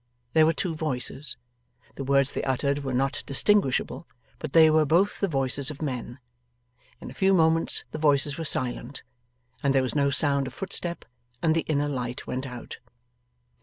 There were two voices. The words they uttered were not distinguishable, but they were both the voices of men. In a few moments the voices were silent, and there was no sound of footstep, and the inner light went out.